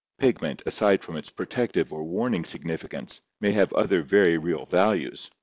Pigment, aside from its protective or warning significance, may have other very real values.